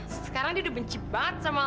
sekarang dia udah benci banget sama